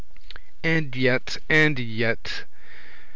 And yet and yet!